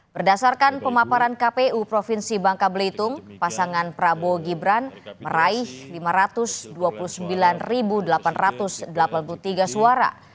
berdasarkan pemaparan kpu provinsi bangka belitung pasangan prabowo gibran meraih lima ratus dua puluh sembilan delapan ratus delapan puluh tiga suara